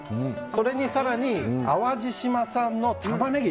それに更に、淡路島産のタマネギ。